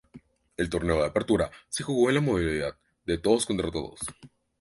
El Torneo Apertura se jugó en la modalidad de todos contra todos.